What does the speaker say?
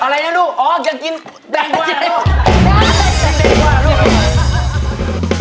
อะไรนะลูกอ๋ออยากกินแตงกว่าลูก